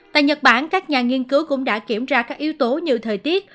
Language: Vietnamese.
tại nhật bản các nhà nghiên cứu cũng đã kiểm tra các yếu tố như thời tiết